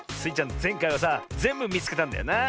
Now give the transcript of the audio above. ぜんかいはさぜんぶみつけたんだよな。